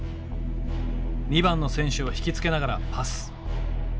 ２番の選手を引き付けながらパス。